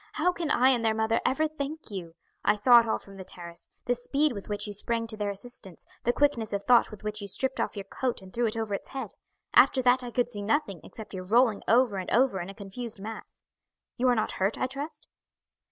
How can I and their mother ever thank you? I saw it all from the terrace the speed with which you sprang to their assistance the quickness of thought with which you stripped off your coat and threw it over its head. After that I could see nothing except your rolling over and over in a confused mass. You are not hurt, I trust?"